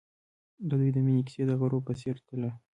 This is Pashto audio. د دوی د مینې کیسه د غروب په څېر تلله.